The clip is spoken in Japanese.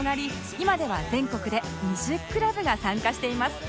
今では全国で２０クラブが参加しています